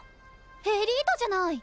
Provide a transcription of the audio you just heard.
エリートじゃない！